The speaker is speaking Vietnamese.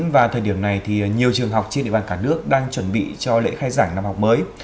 và thời điểm này thì nhiều trường học trên địa bàn cả nước đang chuẩn bị cho lễ khai giảng năm học mới